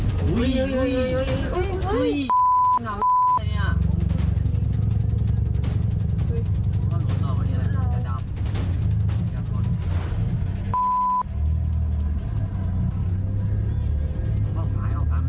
น้ำท่วมสูงเหมือนกันนะคะ